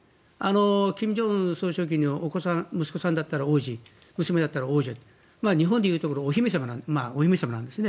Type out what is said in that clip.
金正恩総書記のお子さん息子さんだったら王子娘さんだったら王女日本でいうところのお姫様なんですね。